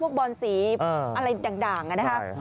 พวกบอลสีอะไรดั่งนะครับ